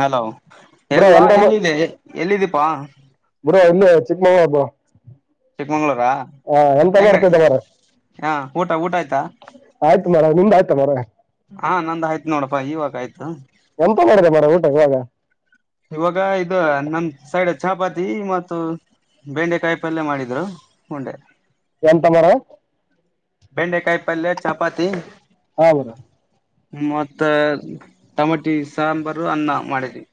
Hello bro ಎಲ್ಲವಾ ಎಂತ ಎಲ್ಲಿದೆ ಎಲ್ಲಿದ್ದೀಪಾ. ಪುರ ಇಲ್ಲಿ ಚಿಕ್ಕಮಂಗು ಚಿಕ್ಕಮಂಗ್ಳೂರಾ ಹ ಎಂತ ಹೆಂಗ ನೋಡ್ತಾ ಇದದ್ದ ಮರ ಹ ಊಟ ಊಟ ಆಯ್ತಾ ಆಯ್ತು ಮಾರಾಯ ನಿದ ಆಯ್ತ ಮಾರಾಯ. ಹಾ ನಂದ ಆಯ್ತು ನೋಡಪ್ಪಾ ಇವಾಗ ಆಯ್ತು ಎಂತ ಮಾಡಿದೆ ಮಾರಾಯ ಊಟ ಇವಾಗ. ಇವಾಗ ಇದು ನಮ ಸೈಡ್ ಚಪಾತಿ ಮತ್ತು, ಬೆಂಡೆಕಾಯಿ ಪಲ್ಯ ಮಾಡಿದ್ರು ಉಂಡೆ ಎಂತ ಮರ ಬೆಂಡೆಕಾಯಿ ಪಲ್ಯ ಚಪಾತಿ ಹಾ ಮರ ಮತ್ತ ಟಮಟಿ ಸಾಂಬಾರು ಅನ್ನ ಮಾಡಿದವಿ.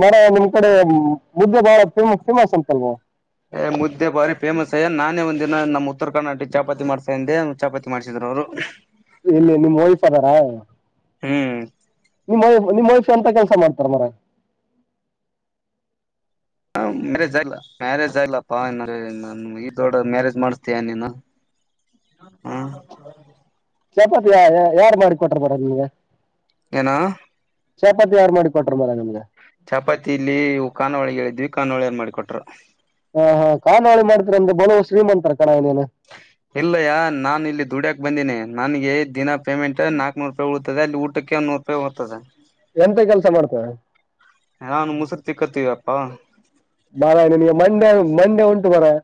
ಮರ ನಿಮ್ ಕಡೆ ಮುದ್ದೆ ಪೆಮ್ ಫೇಮಸ್ ಅಂತಲ್ವಾ ಏ ಮುದ್ದೆ ಬಾರಿ ಫೇಮಸ್ ಅಯ್ಯ ನಾನೇ ಒಂದು ನಮ್ಮ್ ಉತ್ತರ ಕರ್ನಾಟಕ್ ಚಪಾತಿ ಮಾಡ್ಸಾಂದೆ ಚಪಾತಿ ಮಾಡಿಸಿದ್ರು ಅವ್ರು ಇಲ್ಲಿ ನಿಮ್ಮ ವೈಫ್ ಅದಾರ ಹ್ಮ್ ನಿಮ್ಮ್ ವೈಫ್ ನಿಮ್ಮ ವೈಫ್ ಅಂತ ಕೆಲ್ಸ ಮಾಡ್ತಾರ ಮರ ಹ ಮ್ಯಾರೇಜ್ ಆ ಮ್ಯಾರೇಜ್ ಆಗ್ಲ್ಲಪ್ಪಾ ಈ ದೊಡ ಮ್ಯಾರೇಜ್ ಮಾಡಿಸತೀಯ ನೀನು ಹ್ಮ್ ಚಪಾತಿಯ ಯಾರ ಮಾಡಿ ಕೊಟ್ರ ಬರ ನಿಮಗ ಏನೂ ಚಪಾತಿ ಯಾರ ಮಾಡಿ ಕೊಟ್ಟಾರ ಮಾರಾಯ ನಿಮಗ ಚಪಾತಿ ಇಲ್ಲಿ ಖಾನಾವಳಿ ಹೇಳಿದ್ವಿ ಖಾನಾವಳಿರ ಮಾಡಿ ಕೊಟ್ಟಾರ ಹ ಹಾ ಖಾನಾವಳಿ ಮಾಡ್ತ ಅಂದ ಬಡವರ ಶ್ರೀಮಂತರ ಕಣ ನೀನು ಇಲ್ಲಯ್ಯ ನಾನ ಇಲ್ಲಿ ದುಡ್ಯಾಕ್ ಬಂದೇನಿ ನನಗೆ ದಿನ ಪೇಮೆಂಟ್ ನಾಕ್ನ್ನುರೂಪಾಯ ಉಳಿತದೆ ಅಲ್ಲಿ ಊಟಕ್ಕೆ ಒನ ನೂರು ರೂಪಾಯಿ ಹೋತದೆ ಎಂತ ಕೆಲ್ಸ ಮಾಡ್ತ ನಾನು ಮುಸರು ತಿಕ್ಕತ್ತೀವಪ್ಪಾ [unintelligible] ಮಂಡೇ ಮಂಡೆ ಉಂಟು ಮಾರಾಯ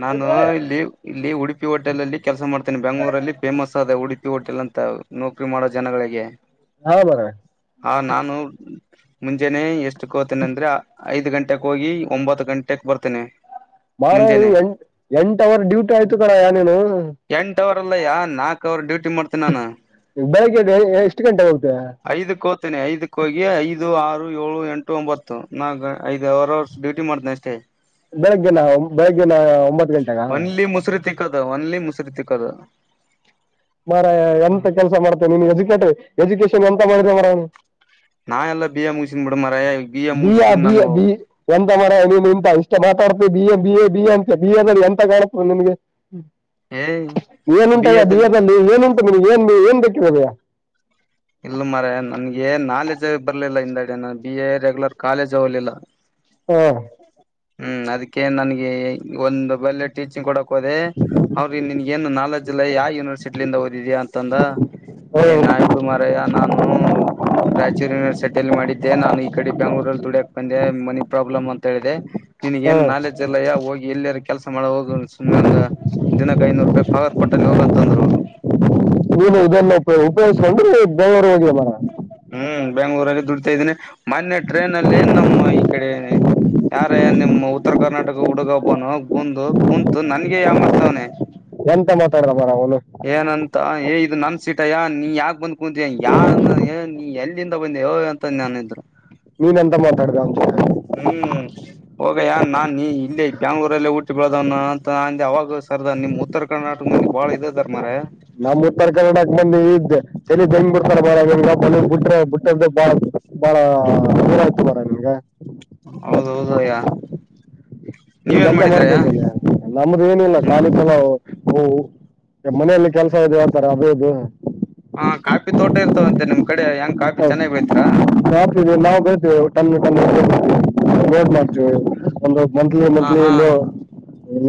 ನಾನು ಇಲ್ಲಿ ಇಲ್ಲಿ ಉಡುಪಿ ಹೋಟೆಲ್ಲ್ಲಿ ಕೆಲ್ಸ ಮಾಡ್ತೇನೆ ಬೆಂಗಳೂರಲ್ಲಿ ಫೇಮಸ್ ಉಡುಪಿ ಹೋಟೆಲ್ ಅಂತ ನೌಕರಿ ಮಾಡೋ ಜನಗಳಿಗೆ ಹಾ ಮರಯಾ ಹ ನಾನು ಮುಂಜೆನೆ ಎಷ್ಟು ಕೋತೀನ ಅಂದ್ರೆ ಐದ್ ಗಂಟೆಗೆ ಹೋಗಿ ಒಂಬತ್ತು ಗಂಟೆಕ್ ಬರ್ತೇನೆ ಮಾರ ನೀ ಮುಂಜಾನೆ ಎಂಟ ಎಂಟ ಅವರ್ ಡ್ಯೂಟಿ ಆಯ್ತು ಕಣ್ಣಯ್ಯ ನೀನು ಅವರ ಡೂಟಿ ಮಾಡ್ತನಿ ನಾನು ಬೆಳಿಗ್ಗೆದೆ ಎಷ್ಟು ಗಂಟೆ ಹೋಗ್ತೀರಾ ಇತೇನೆ ಐದಕ್ಕ ಹೋಗಿ ಐದು ಆರು ಏಳು ಎಂಟು ಒಂಬತ್ತು ನಾಕ್ ಐದು ಅವರ್ ಅವರ್ಸ್ ಡ್ಯೂಟಿ ಮಾಡ್ತೇನೆ ಅಷ್ಟೇ. ಬೆಳಗ್ಗೆನ ಬೆಳಗ್ಗೆನ ಒಂಬತ್ತು ಗಂಟೆಗ ಒನ್ಲಿ ಮುಸರಿ ತಿಕ್ಕದ ಓನ್ಲಿ ಮುಸರಿ ತಿಕ್ಕದ ಮರಯ ಎಂತ ಕೆಲ್ಸ ಮಾಡ್ತೇನೆ ನೀನ್ ಎಜುಕೇಟ ಎಜುಕೇಶನ್ ಎಂತ ಮಾಡಿದ್ರ ಮಾರ ನೀ ನಾ ಎಲ್ಲ ಬಿ ಎ ಮುಗಿಸಿನ್ ಬಿಡ ಮಾರಾಯ ಎ ಬಿ ಆ ಮುಗಿಸಿದ್ರು ಬಿ ನಾನು ಬಿ ಎಂತ ಮರ ನೀನು ಇಂತ ಇಷ್ಟ ಮಾತಾಡ್ತೀ B A B B A ಅಂತ ಬಿ ಎ ದಲ್ಲಿ ಎಂತ ಕಾಣುತ್ತ ನಿನಗೆ ಏ ಏನುಂಟಯ ಬಿ ಎ ಅಲ್ಲಿ ಏನುಂಟು ಮ ಏನ್ ಏನ್ ಬೇಕರದಯ ಇಲ್ಲ ಮರಯಾ ನನಗೆ ನಾಲೇಜ್ ಬರ್ಲಿಲ್ಲ ಹಿಂದೆಡೆ ನಾನ ಬಿ ಎ ರೆಗ್ಯುಲರ್ ಕಾಲೇಜ್ ಹೋಗ್ಲಿಲ್ಲ. ಹ್ಮ ಹ್ಮ್ ಅದಕ್ಕೆ ನನ್ಗೆ ಒಂದು ಬಲ್ಲೆ ಟೀಚಿಂಗ್ ಕೊಡಕ್ ಹೋದೆ ಅವ್ರ ನಿನಿಗೆ ಏನು ನಾಲೆಜ್ ಇಲ್ಲ ಯಾವ ಯುನಿವರ್ಸಿಟಿ ಯಿಂದ ಓದಿದೀ ಅಂತ ಅಂದ ಹಾ, ಏನ್ ನಾಬಟ್ಟ ಮಾರಾಯ ನಾನು ರಾಯಚೂರಿನ ಸೆಟಲ್ ಮಾಡಿದ್ದೆ ನಾನು ಈ ಕಡೆ ಬೆಂಗಳೂರಲ್ಲಿ ದುಡಿಯಕ್ ಬಂದೆ ಮನಿ ಪ್ರಾಬ್ಲಮ್ ಅಂತ ಹೇಳಿದೆ. ನಿನ್ಗ ಹಾ. ಏನ್ ನಾಲೆಜ್ ಇಲ್ಲಯ ಹೋಗಿ ಇಲ್ಲೆರ ಕೆಲ್ಸ ಮಾಡ ಹೋಗ ಸುಮ್ನೆ ಒಂದ್ ದಿನಕ್ಕೆ ಐನೂರು ರೂಪಾಯಿ ಪಗಾರ ಕೊಟ್ಟಲ್ಲಿ ಹೋಗಂತ ಅಂದ್ರು ಅವ್ರು ದೇವರು ಹೋಗಿ [unintelligible] ಬೆಂಗಳೂರಲ್ಲಿ ದುಡಿತಾ ಇದ್ದೀನಿ ಮೊನ್ನೆ ಟ್ರೈನ್ ಅಲ್ಲಿ ಏನ್ ನಮ್ಮ ಈ ಕಡೆ ಯಾರ ನಿಮ್ಮ್ ಉತ್ತರ ಕರ್ನಾಟಕ ಹುಡುಗಬ್ಬನು ಬಂದು ಕುಂತು ನನ್ಗೆ ಯಮರ್ಸ್ತವನೆ ಎಂತ ಮಾತಾಡ ಏನಂತ ಎ ಇದು ನನ್ ಸೀಟಯ್ಯ ನೀ ಯಾಕ ಬಂದ್ ಕುಂತಿಯಾ ನೀ ಎಲ್ಲಿಂದ ಬಂದೆ ಅಂತ ನನ್ ಇದ್ರು ನೀನ್ಂತ ಮಾತಾಡದ ಹ್ಮ್ ಹೋಗಯ್ಯ ನಾ ನೀ ಇಲ್ಲಿ ಬೆ್ಯಾಂಗ್ಳೂರಲ್ಲೇ ಊಟಿ ಬೆಳದವನ ಅಂತ ಅಂದೆ ಅವಾಗ ಸರ್ದ ನಿಮ್ ಉತ್ತರ ಕರ್ನಾಟಕ ಮ ನಿ ಭಾಳ ಇದೆದರ್ ಮರಯಾ ನಮ್ ಉತ್ತರ ಕನ್ನಡಕ್ ಬಂದ್ದ ಚಲ ಬೆಂಗ್ ಬಿಡ್ತಾರ ಬ ಬಿಟ್ರೆ ಬಿಟ್ಟದ್ದು ಬಾಳ ಬಾಳ ದೂರ ಆಯ್ತ ಬರ ನಿನ್್ಗೆ ಹೌದ ಹೌದು ಅಯ್ಯ ಈ ಎಂತ ಮಾಡ್ಕೋನ ನಮ್ದು ಏನಿಲ್ಲ ನೀ ಕಾಲು ಚಲ ಹಓ ಮನೆಯಲ್ಲಿ ಕೆಲ್ಸ ಇದೆ ಹಳ್ತಾರೆ ಅದೇದು ಹಾ ಕಾಫಿ ತೋಟ ಇರ್ತಾವಂತೆ ನಿಮ್ ಕಡೆ ಹೆಂಗ್ ಕಾಫಿ ಚೆನ್ನಾಗ್ ಬೆಳಿತಾರ ಹತ ನಾವು ಬರ್ತೇವೆಟ ದ ಮಾಡ್ತವಿ ಒಂದು ಮಂತ್ಲಿ ಹಾ ಮಂತ್ಲಿ ಹಾ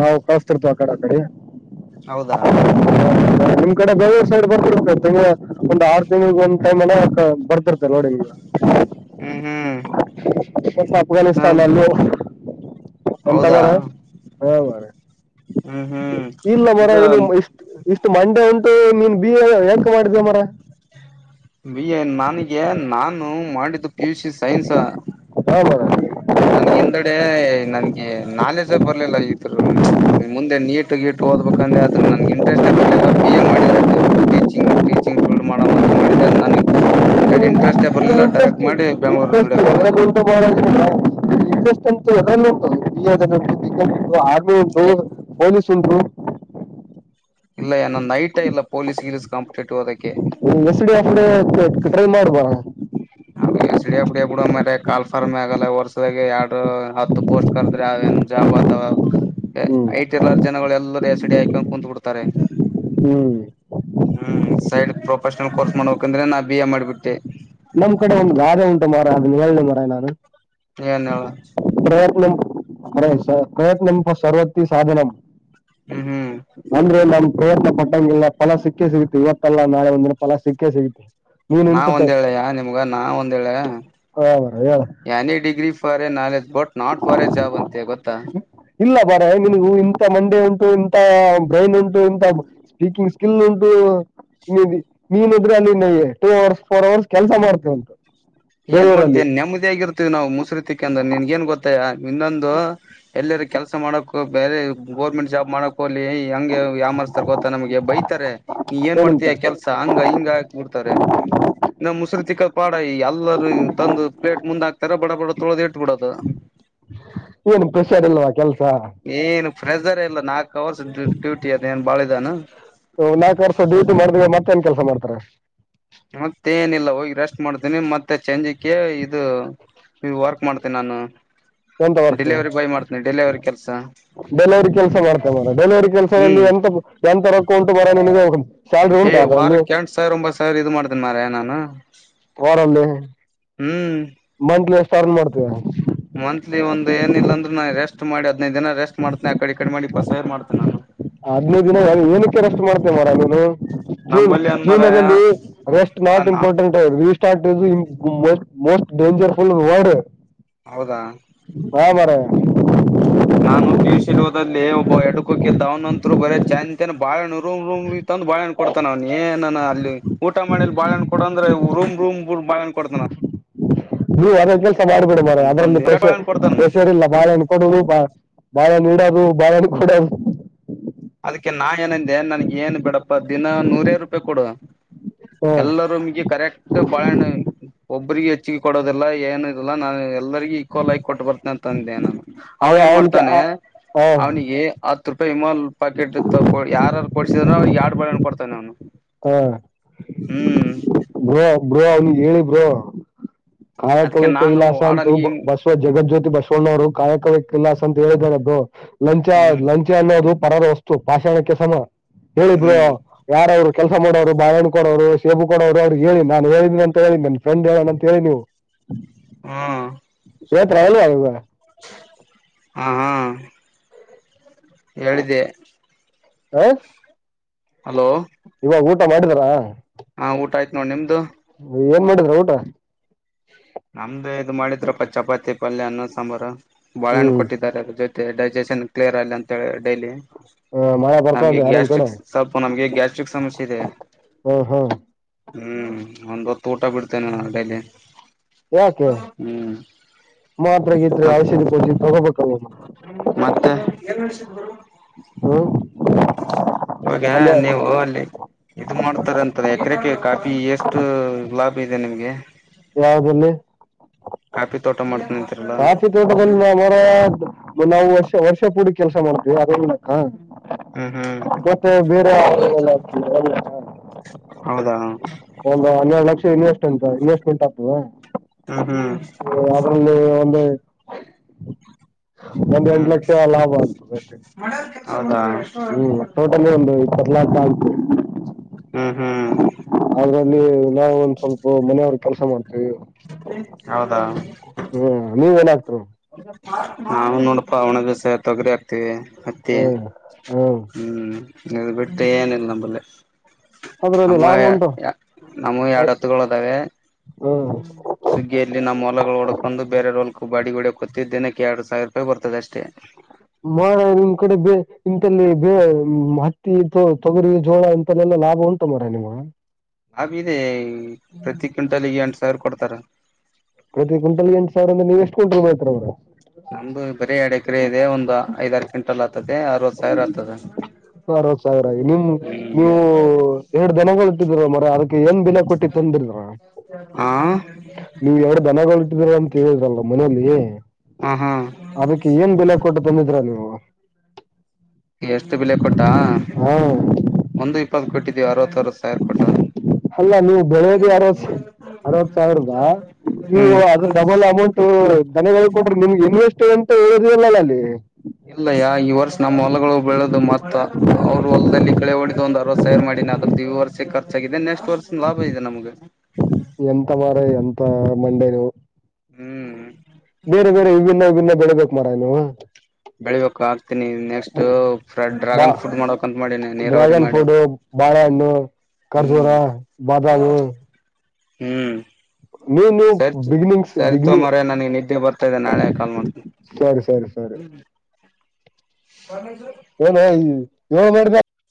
ನಾವು ಕಳತಿರ್ತವ ಆ ಕಡೆ ಆ ಕಡೆ ಹೌದಾ ನಿಮ್ ಕಡೆ ಬೆೇಗಳೂರು ಸೈಡ್ ಬರ್ಿರ್ತ್ ಒಂದ ಆರ್ ತಿಂಳಗ್ ಒಂದ್ ಟೈಮ ಅಲ್ಲ ಬರ್ತಿರ್ತತೆ ನೋಡಿ ಹ್ಮ್ ಹ್ಮ್ ನಿಮಗ ಹ ಅಫ್ಘಾನಿಸ್ತಾನ್ ಅಲ್ಲ ಎಂತ ಹೌದಾ ಮರ ಹಾ ಮರ ಹ್ಮ್ ಹ್ಮ್ ಇಲ್ಲ ಬರ ಇದು ಇನು ಇಷ್ಟ ಇಷ್ಟ ಮಂಡೆ ಉಂಟು ನೀನ್ ಬಿ ಎಕ ಮಾಡಿದ ಮರ ಬಿ ಎ ನನಗೆ ನಾನು ಮಾಡಿದ್ದು ಪಿ ಯು ಸಿ ಸೈನ್ಸ ಹೌ ಬರ ನನ್ಗೆ ಎಿಂದೆಡೆ ನನ್ಗೆ ನಾಲೆಜ ಬರ್ಲಿಲ್ಲ ಇದರು ಮುಂದೆ ನೀಟ ಗೀಟು ಓದ್ಬೇಕಂದೆ ನನ್ಗೆ ಇಂಟ್ರೆಸ್ಟ್ೇ ಬರ್ಲಿಲ್ಲ ಬಿ ಎ ಮಾಡಿದ್ರ ಒಬ್ ಟೀಚಿಂಗ್ ೀಚಿಂಗ್ ಫಲ್ಡ್ ಮಾಡ್ ಅಂತ ಮಾಡ ನ ಇ ಇಂಟ್ರೆಸ್ಟ್ ಇ ಇಂಟ್ರೆಸ್ಟಂಗ್ ಇಂಟ್ರೆಸ್ಟ ಇಷ್ಟ ಅಂತೂ ಅದಲ್ಲಂಟ ಬಿಯದ ಉಟು ಚಕ್ಕನ್ ಉಟು ಆರ್ಮಿ ಉಂಟು ಪೊಲೀಸ್ ಸಿಂಧು ಇಲ್ಲ ಏನ್ ನೈಟ ಇಲ್ಲ ಪೊಲೀಸ್ ಗಿಲೀಸ್ ಕಂಪ್ ಎಸ್ ಡಿ ಟ್ರೈ ಮಾಡ್ಬಾರಧು ಹ ಎಸ್ಡಿ ಬಿಬ್ಡ ಮ ಕಾಲ್ ಾರ್ ಆಗಲ್ಲ ವರ್ಷದಾಗ ಎರಡು ಹತ್ತು ಪೋಸ್ಟ್ ಕರ್ದ್ರ ಜಾಬ್ ಆಥವಾ ಹ್ಮ್ ಐಟ ಎರ್ಲ್ಲ ಜನಗಳು ಎಲ್ಲರೂ ಎಸಡಿ ಹಾಕೊಂಡ ಕುತ್ ಬಿಡ್ತಾರೆ ಹ್ಮ್ ಹ್ಮ್ ಸೈಡ್ ಪ್ರೊಫೆಷ್ನಲ್ ಕೋರ್ಸ್ ಮಾಡಬೇಕಂದ್ರೆ ನಾ ಬಿ ಎ ಮಾಡ್ಬಿಟ್ಟೆ ನಮ್ ಕಡೆ ಒಂದು ಗಾದೆ ಉಂಟು ಮರ ಅದು ನಿ ಮರಾಯ ನಾನು ಏನ್ ಹೇಳ ಪ್ರಯತ್ನ ಅ ಸ ಪ್ರಯತ್ನ ಸವತ್ತ ಸಾಧನ ಹ್ಮ್ ಹ್ಮ್ ಅಂದ್ರೆ ನಮ ಇವ ಕೊಟ್ಟಂಗೆಲ್ಲ ಫಲ ಸಿಕ್ಕೇ ಸಿಗುತ್ತೆ ಇವತ್ತಲ್ಲ ನಾಳೆ ಒಂದಿನ ಫಲ ಸಿಕ್ಕ ಸಿಗುತ್ತೆ ನೀನು ನಾ ಇಂತ ಒಂದೇಳೆ ಮಗ ನಾ ಒಂದಳ ಹೇಳ ಯನೇ ಡಗ್ರಿ ಬಾರ ನಾೆ ಇಲ್ಲ ಬರ ನಿನಗೂ ಇಂತ ಮಂದ ಉಂಟು ಇಂತ ಬ್ರೈನ್ ಉಂಟು ಇಂತ ಸ್ಪೀಕಿಂಗ್ ಸ್ಕಿಲ್ ಉಂಟು ನೀ ನೀನ್ಿದ್ರೆ ಅಲ್ಲಿ ಟೂ ಅವರ್ಸ್ ಫೋರ್ ಅವರ್ಸ್ ಕೆಲ್ಸ ಮಾಡ್ತೇವಿ ಏನ್ ಮಾಡ್ತೀವಿ ನೆಮ್ಮದಿಿಯಗಿರ್ತೀವಿ ನಾವು ಮುಸರಿತಿಕ ಅಂದ್ರೆ ನಿನ್ ಏನ್ ಗೊತ್ತಾಯ ಇನ್ನೊಂದು ಎಲ್ಲರೂ ಕೆಲಸ ಮಾಡಕ ಬೇರೆ ಗೋರ್ಮೆಂಟ್ ಜಾಬ್ ಮಾಡಕ್ ಹೋಗಲಿ ಹಂಗೆ. ಯಾಮರ್ಸ್ತರೆ ಗೊತ್ತಾ ನಮಗೆ ಬೈತಾರೆ. ಏನ್ ಏನಂತ ಮಾಡ್ತೀಯ ಕೆಲ್ಸಾ ಹಂಗ ಹಿಂಗ ಹಾಕ್ ಬಿಡ್ತಾರೆ ನಮ್ಮ ಮುಸರುತಿಕ್ಕ ಪಾಡ ಎಲ್ಲ. ತಂದು ಪ್ಲೇಟ್ ಮುಂದೆ ಹಾಕ್ತಾರ ಬಡ ಬಡ ತೊಳೋದ್ ಇಟ್ಬಿಡೋದು. ಏನ್ ಪ್ರೆಷ್ಾರ್ಲ್ವಾ ಕೆಲ್ಸ. ಫ್ರೆಜರ್ ಎಲ್ಲ ನಾಲ್ಕ್ು ಅವರ್ಸ್ ಡ್ಯೂಟಿ ಅದಏನ್ ಬಾಳಿದಾನು. ನಾಲ್ಕು ವರ್ಷ ಡೂಟಿ ಮಾಡಿದವ ಮತ್ತೆ ಏನ್ ಕೆಲ್ಸ ಮಾಡ್ತಾರೆ ಮತ್ತೆ ಏನಿಲ್ಲ ಹೋಗಿ ರೆಸ್ಟ್ ಮಾಡ್ತೀನಿ ಮತ್ತೆ ಸಂಜೆಗೆ ಇದು. ಈ ವರ್ಕ್ ಮಾಡ್ತೇನೆ ನಾನು. ಎಂತವರ್ಕು. ಡಿಲಿವರಿ ಬಾಯ್ ಮಾಡ್ತೇನಿ ಡೆಲಿವರಿ ಕೆಲ್ಸ ಡೆಲವರಿ ಕೆಲ್ಸ ಮಾಡ್ತೇ ಮರ ಡೆಲವರಿ ಕೆಲ್ಸದಲ್ಲಿ ಹ್ಮ್ ಎಂತ ಎಂತ. [unintelligible] ೌಂಟು [unintelligible] ಬರ ನಿಿನಗೆ ಸಾಲರಿ ಏ ಉಂಟಾ ಅದರಲ್ಲಿ. ವಾರಕ್ಕೆ ಎಂಟ ಸಾವಿರ ಒಂಬತ್ ಸಾವಿರ ಇದು ಮಾಡ್ತೇನಿ ಮಾರಾಯ ನಾನು ವರಲ್ಲಿ ಹ್ಮ್ ಟರ್ನ್ ಮಾಡ್ತೀವಿ ಮಂತ್ಲಿ ಒಂದ ಏನಿಲ್ಲ ಅಂದ್ರೆ ನಾ ಎಷ್ಟ ಮಾಡಿ ಹದಿನೈದು ದಿನ ರೆಸ್ ಮಾಡತನೆ ಆ ಕಡೆ ಮಾಡಿ ಪಸೇರ್ ಮಾಡ್ತನೆ ನಾನು ಹದ್ನೈದು ದಿನ ಏನಕ್ಕೆ ರೆಸ್ಟ್ ಮಾಡ್ತೇ ಮರ ನೀನು ಜೂನ್ ನಂಬಲ್ಲಿ ಏನ್ ಮಾರಾಯ ಜೂನ್ಲ್ಲಿ ರೆಸ್ಟ್ ಇಲ್ಲ ನಾಟ್ ನಾ important restart is ಮಟ್ most dangerful word [unintelligible] ಹೌದಾ ಹಾಂ ಮರ [inaudible] ನಾನು ಪಿಯ ಯುಷ ಇಲೋಲ್ಲಿ ಒಬ್ಬ ಎಡ್ಡುಕೋಕಿದ್ದ ಅವ್ನಂತರು ಬರೇ ಚೆನ್ ಚನ್ ಬಾಳ ನುರುಮ್ರು್ [unintelligible] ೊಂದು [unintelligible] ಬಾಳಹಣ್ಣ ಕೊತಾನ ಅವ್ ಏ ನಾನ ಅಲ್ಲಿ ಊಟ ಮಾಡಲಿ ಬಾಳಹಣ್ಣ ಕೊಡ ಅ್ರೆ ರೂಮ್ ರೂ್ ಬಾಹಣ್ಣ ಕೊತಾನ ನೀರ [unintelligible] ಮಾಡ್ಬಿಡು ಮನೆೆ ನಮ್ ಅದರಲ್ಲಿ ತಂದ ಕೊಡ್ತಾನ ಕಷರ್ ಇಲ್ಲ ಬಾಣ ಕೊಡುದು ಬಾ [unintelligible] ಬಾಳೆಹಣ್ಣು ನೀಡದು ಬಾಳೆಹಣ್ಣು ಕೂಡದು ಅದಕ್ಕೆ ನಾ ಏನಂದ ನ್ ನನ್ಗ ಏನ್ ಬಿಡಪ್ಪಾ ದಿನ ನೂರ ರೂಪಾಯಿ ಕೊಡು ಹಾ ಎಲ್ಲರೂ ರೂಮ್ಗೆ ಕರೆಕ್ಟ್ ಬಾಳಣ ಒಬ್ಬ ಇಬ್ಬರಿಗೆ ಹೆಚ್ಚಿಗೆ ಕೊಡೋದಿಲ್ಲ ಏನು ಇಲ್ಲ ನ ಎಲ್ಲ ಈಕ್ವಲ್ ಕೊಟ್ಟು ಬರ್ತನೆ ಅಂತಂದೆ ನಾನು ಅವ ಅವನು ಏನ್ ಅವನ್ ಮಾಡ್ತಾನೆ ಹಾ ಅವನಿಗೆ ಹತ್ತು ರೂಪಾಯಿ ಇಮಲ್ ಪಾಕೆಟ್ ಯಾರು ಕೊಡಸಿದ್ರ ಅವ್ಿಗೆ ಎರಡು ಬಳೆ ಕೊಡ್ತಾನೆ ಅವ್ನು ಹಾ ಹ್ಮ್ ಬ್ರೋ ಬ್ರೋ ಅವನಿಗೆ ಹೇಳಿ ಬ್ರೋ ಕಾಯ ಕವ ಅದಕ್ಕೆ ಕ ನಾನು ಇಲ್ಲಾಸಂತು ವಾಡನ್ಗೆ ಬಸವ ಜಗತ್ ಜ್ಯೋತಿ ಬಸವಣ ನವರು [unintelligible] ಕಾಯಕವಕ್ ಇಲಾಸ್ ಅಂತ ಹೇಳಿದಾರ ಅದು ಲಂಚ ಹ್ಮ್ ಲಂಚ ಅನ್ನೋ ರೂಪ [unintelligible] ಬರದ ವಸ್ತು ಪಾಷಣಕ್ಕೆ ಸಮ [unintelligible] ಹೇಳಿದ್ರು ಹ್ಮ್ ಯಾರವರು ಕೆಲಸ ಮಾಡೋರು ಬಾಳೆಹಣ್ಣು ಕೊಡೋರು ಸೇಬು ಕೊಡೋರು ಅವ್ರು ಹೇಳಿ ನಾನು ಹೇಳಿದಿ ಅಂತ ಹೇಳಿ ನನ್ನ ಫ್ರೆಂಡ್ ಹೇಳಣ ಅಂತ ಹೇಳಿ ನೀವು ಹ್ಮ ಹ್ಮ ಇವತ್ರಲ್ವಾ [unintelligible] ಹೇಳಿದೆ ಹಾ ಹಲೋ. ಇವಾಗ ಊಟ ಮಾಡಿದಾರಾ. ಹಾ ಊಟ ಆಯ್ತತ್ ನೋಡ್ ನಿಮ್ದು. ಏನ್ ಮಾಡಿದ್ರ ಊಟ. ನಮ್ದ ಇದು ಮಾಡಿದ್ರಪ್ಪ ಚಪಾತಿ ಪಲ್ಯ ಅನ್ನ ಸಾಂಬಾರು ಬಾಳಹಣ್ಣ್ ಹ್ಮ್ ಕೊಟ್ಟಿದ್ದಾರೆ ಅ ಜೊತೆ ಡೈಜೆಷನ್ ಕ್ಲಿಯರ್ ಅಲ್ಲಿ ಅಂತ ಹೇಳಿ ಡೈಲಿ. ಆ, ಮಳೆ ಬರ್ತಾ ಇದೆ ನಮ್ಗೆ ಯಾರ ಕಡೆ ಗ್ಯಾಸ್ಟ್ರಿಕ್ ಸ್ವಲ್ಪ ನಮ್ಗೆ ಗ್ಯಾಸ್ಟ್ರಿಕ್ ಸಮಸ್ಯೆ ಇದೆ. ಹ್ಮ ಹ್ಮ. ಹ್ಮ್ ಒಂದು್ ಹೊತ್ತು ಊಟ ಬಿಡ್ತೇನೆ ಡೈಲಿ ಯಾಕೆ ಹ್ಮ್ ಮಾತ್ರೆ ಗೀತ್ರಿ ಮತ್ ಔಷಧಿ ಕೊೋಡ್ಸ [unintelligible] ತಗೋಬೇಕಲ್ಮ್ಮ ಮತ್ತೆ ಹ್ಮ್ [inaudible] ಅವಾಗ ಅಲ್ಲೇ ನೀವು ಅಲ್ಲಿ ಇದು ಮಾಡ್ತಾರೆ ಅಂತ ಎಕರೆಕ ಕಾಫಿ ಎಷ್ಟು ಲಾಭ ದ ನಿಮಗೆ ಯಾವ ದಲ್ಲಿ ಕಾಫಿ ತೋಟ ಮಾಡ್ತೀನಿ ಕಾಫಿ ತೋಟದಲ್ಲಿ ನ ಮರ [unintelligible] ನಾವು ವರ್ಷ ವರ್ಷ ಪೂಡಿ ಕೆಲ್ಸ ಮಾಡ್ತವಿ ಅದೇ ಹ್ಮ್ ಹ್ಮ್ ಹಾತ್ತೆ ಬೇರೆಲ್ಲ [unintelligible] ಹೌದಾ ಒಂದು ಹನ್ನೆರಡು ಲಕ್ಷ ಇನ್ವೆಸ್ಟ್ ಅಂತ ಇನ್ವೆಸ್ಟ್ಮೆಂಟ್ ಆಗ್ತದ ಹ್ಮ್ ಹ್ಮ್ ಅಲ್ಲಿ [unintelligible] ಒಂದ್ ಎಂಟು ಹ್ಮ್ ಲಕ್ಷ ಲಾಭ [unintelligible] ಹೌದಾ ಹ್ಮ್ ಟೋಟಲಿ ಒಂದು ಇಪ್ಪತ್ನಾಲ್ಕು ಹ್ಮ್ ಹ್ಮ್ ಅದ್ರಲ್ಲಿ ನಾವು ಒಂದ್ ಸ್ವಲ್ಪ ಮನೆಯವ್ರ ಕೆಲಸ ಮಾಡ್ತವಿ ಹೌದಾ ಹ್ಮ್ ನೀವ ಏನಾಗ್ತ ಹಾ ನೋಡಪಾ ಒಣ ಬೆಸಾಯ ತೊಗರಿ, ಹತ್ತಿ ಹ್ಮ್ ಹ್ಮ್ ಇದು ಬಿಟ್ಟ ಎನಿಲ್ಲ ನಮ್ಮ ಅದರಲ್ಲಿ ಲಾಭ ಉಂಟು ನಮ್ಮು ಎರಡ ಅದ್- ಎತ್ತುಗಳುದಾವೆ ಹ್ಮ್ ಸುಗ್ಗಿಯಲ್ಲಿ ನಮ್ಮ ಹೊಲಗಳು ಒಡ್ಕೊಂಡು ಬೇರೆಯವ್ರವರ ಬಾಡಿ ಹೋಡಿಕೊತ್ತಿದ್ದ ದಿನಕ್ಕೆ ಎರಡು ಸಾವಿರ ರೂಪಾಯಿ ಬರ್ತದ ಅಷ್ಟೇ ಮ ನಿಮ್ ಕಡೆ ಬೇ ಇಂತಲ್ಲಿ ಬೇ ಮತ್ತ ಹತ್ತಿ, ತೊಗರಿ, ಜೋಳ, ಇಂತಲ್ಲೆಲ್ಲಾ ಲಾಭ ಉಂಟು ಮಾರ ನಿಮ ಲಾಬ ಇದೆ ಪ್ರತಿ ಕ್ವಿಂಟಲ್ಗ ಎಂಟು ಸಾವಿರ ಕೊಡ್ತಾರ ಪ್ರತಿ ಕ್ವಿಂಟಲ್ ಎಂಟ್ ಸಾವಿರ ಅ್ರ ನೀವ ಎಷ್ಟ ಕ್ವಿಂಟಲ್ ಬೆಳಿತಿರ್ ಹಂಗಾರ ನಮ್ದು ಬರೀ ಎಡೆಕರೆ ಇದೆ ಒಂದು ಐದಾರ ಕ್ವಿಂಟಲ್ ಆಗ್ತದೆ ಅರವತ್ತು ಸಾವಿರ ಆಗ್ತದೆ ಅರವತ್ ಸಾವಿರ ಆಗ ನಿಮ ನೀವು ಹ್ಮ್ ಎರಡು ದಿನ ಹೊಲ್ತಿದೀರ ಮರ ಅದಕ್ಕೆ ಏನ್ ಬೆಲೆ ಕೊಟ್ಟಿ ತಂದ [unintelligible] ಹ ನೀವು ಎರಡ ದನಗಟ್ಟಿದೀರ ತ ಹೇಳಿದ್ರಲ್ಲ ಮನೆಯಲ್ಲಿ ಹಾ ಹಾ ಅದಕ್ಕೆ ಏನ್ ಬೆಲೆ ಕೊಟ್ಟು ಬಂದಿದ್ರ ನೀವು ಎಷ್ಟು ಬೆಲೆೆ ಕೊಟ್ಟಾ ಹಾ ಒಂದು ಇಪ್ಪತ್ತು ಕೊಟ್ಟಿದ್ದೀವಿ ಅರವತ್ತ ಅರವತ್ತು ಸಾವಿರ ಕೊಟ್ಟ ಅಲ್ಲ ನೀವು ಬೆಳೆಯೋದ ಅರವತ್ ಅರವತ್ ಸಾವಿರದ ನೀವು ಹ್ಮ್ ಅದ್ರ ಡಬಲ್ ಅಮೌಂಟ್ ಧನೆಳ್ ಕೊಟ್ರಿ ನಿಮಗೆ ಇನ್ವೆಸ್ಟ್ ಎಂತ ಹೇಳಿರಲೀಲ ಇಲ್ಲ ಅಲ್ಲಿ ಇಲ್ಲಯ್ಯ ಈ ವರ್ಷ ನಮ್ಮ ಹೊಲಗಳು ಬೆಳೋದು ಮತ್ತ ಅವ್ರರು ಹೊಲದಲ್ಲಿ ಗಳೆ ಹೊಡಿದ ಒಂದ್ ಅರವತ್ ಸಾವಿರ ಮಾಡನ ಅದ್ರ ಈ ವರ್ಷ ಖರ್ಚ ಆಗಿದೆ ನೆಸ್ಟ್ ಎಂತ ಮಾರಯ ಎಂತ ಮಂಡೇ ನೀವು ಹ್ಮ್ ಬೇರೆ ಬೇರೆ ವಿಭಿನ್ನ ವಿಭಿನ್ನ ಬೆಳಿಬೇಕ್ ಮಾರಯ ನೀವ ಬೆಳಿಬೇಕು ಆಕ್ತೀನಿ ನೆಕ್ಸ್ಟ್ ಬಾ ಡ್ರಾಗನ್ ಫ್ರೂಟ್ ಮಾಡಕಂತ ಮಾಡೀನಿ ನೀರಾವರಿ ಮಾಡಿ ಇಲ್ ಕಜೂರ, ಹ್ಮ್ ಬಾದಾಮ್ ಹ್ಮ್ ಸರಿತು ಬಿಗಿನಿಂಗ್ಸ್ ಸರಿತೋ ಬಿಗಿನಿಂಗ್ ಮಾರಾಯಾ ನನಗೆ ನಿದ್ದೆ ಬರ್ತಾದೆೆ ನಾಳೆ ಕಾಲ್ ಮಾಡ್ತೀನಿ ಸರಿ ಸರಿ ಸರಿ [inaudible] ಏನ ಯ [unintelligible]